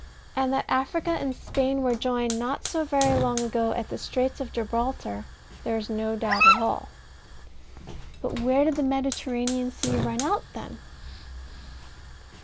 And that Africa and Spain were joined not so very long ago at the Straits of Gibraltar there is no doubt at all. But where did the Mediterranean Sea run out then?